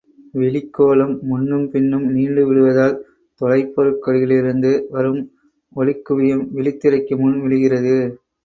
விழிக்கோளம் முன்னும் பின்னும் நீண்டு விடுவதால் தொலைபொருள்களிலிருந்து வரும் ஒளிக்குவியம் விழித் திரைக்கு முன் விழுகிறது.